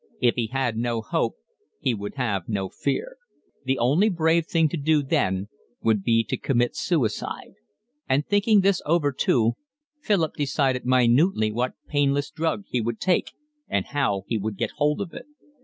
If he had no hope he would have no fear. The only brave thing to do then would be to commit suicide, and, thinking this over too, Philip decided minutely what painless drug he would take and how he would get hold of it.